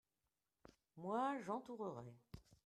moi, j'entourerai.